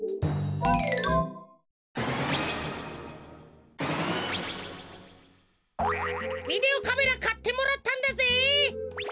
ビデオカメラかってもらったんだぜ。